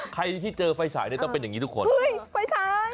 ใครที่เจอไฟฉายเนี่ยต้องเป็นอย่างนี้ทุกคนเฮ้ยไฟฉาย